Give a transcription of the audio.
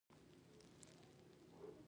ان د پخواني تاریخ په اړه یې غږېده.